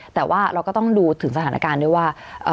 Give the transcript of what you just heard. แต่ว่าเราก็ต้องดูถึงสถานการณ์ด้วยว่า